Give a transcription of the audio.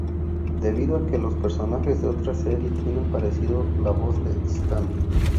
Debido a que los personajes de otra serie tienen parecido la voz de stan.